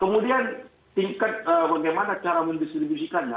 kemudian tingkat bagaimana cara mendistribusikannya